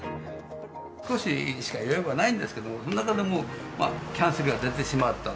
少ししか予約はないんですけど、中でもキャンセルが出てしまった。